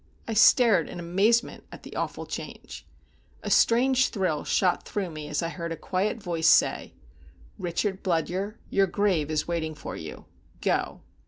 I stared in amazement at the awful change. A strange thrill shot through me, as I heard a quiet voice say: "Richard Bludyer, your grave is waiting for you. Go."